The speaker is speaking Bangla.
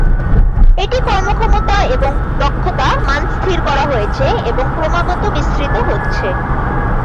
এটি কর্মক্ষমতা এবং দক্ষতা মান স্থির করা হয়েছে এবং ক্রমাগত বিস্তৃত হচ্ছে।